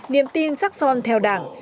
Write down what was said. niềm tin sắc son theo đảng